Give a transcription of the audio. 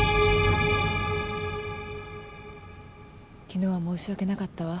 昨日は申し訳なかったわ。